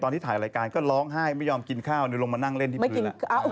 ที่ถ่ายรายการก็ร้องไห้ไม่ยอมกินข้าวลงมานั่งเล่นที่พื้น